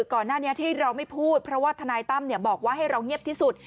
ก่อนหน้านี้ที่เราไม่พูดเพราะว่าทนายตั้มบอกว่าให้เราเงียบที่สุด